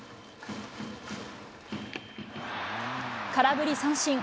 空振り三振。